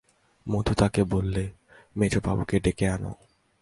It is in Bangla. মধু তাকে বললে, মেজোবাবুকে ডেকে আনো।